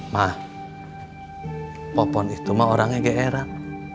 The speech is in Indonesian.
ma popon itu mah orangnya geeran